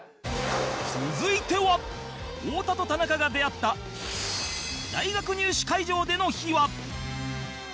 続いては太田と田中が出会った大学入試会場での秘話